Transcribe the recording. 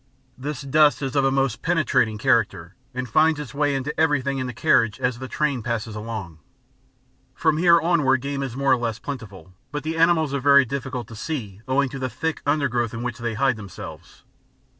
This dust is of a most penetrating character, and finds its way into everything in the carriage as the train passes along. From here onward game is more or less plentiful, but the animals are very difficult to see owing to the thick undergrowth in which they hide themselves.